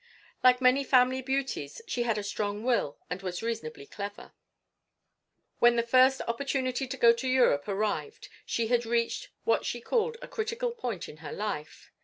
Like many family beauties, she had a strong will and was reasonably clever. When the first opportunity to go to Europe arrived she had reached what she called a critical point in her life.